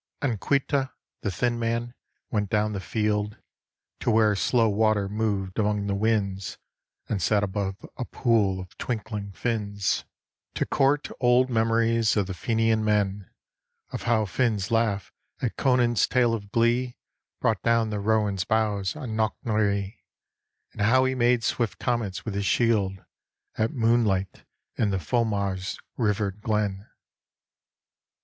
And Caoilte, the thin man, went down the field To where slow water moved among the whins, And sat above a pool of twinkling fins 127 128 THE PASSING OF CAOILTE To court old memories of the Fenian men, Of how Finn's laugh at Conan's tale of glee Brought down the rowan's boughs on Knoc naree, And how he made swift comets with his shield At moonlight in the Fomar's rivered glen.